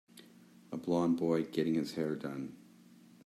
A blond boy getting his hair done.